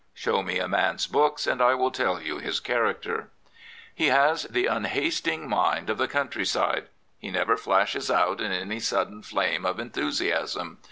, Show me a m^'sjwoks you his charaHerTT He has the unhasting mind of the countryside. He never flashes out in any sudden flame of enthusiasm.